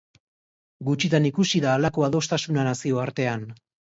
Gutxitan ikusi da halako adostasuna nazioartean.